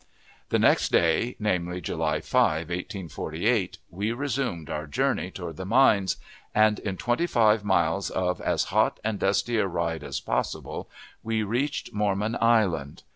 The next day (namely, July 5, 1848) we resumed our journey toward the mines, and, in twenty five miles of as hot and dusty a ride as possible, we reached Mormon Island.